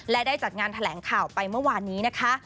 และได้จัดงานแถลงข่าวไปเมื่อวานนี้นะคะ